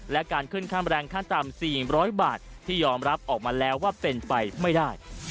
และการขึ้นค่าแรงขั้นต่ำ๔๐๐บาทที่ยอมรับออกมาแล้วว่าเป็นไปไม่ได้